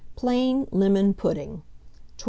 PLAIN LEMON PUDDING. 1299.